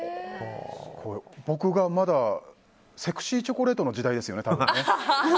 僕がまだセクシーチョコレートの時代ですよね。